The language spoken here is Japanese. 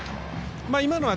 今の球は。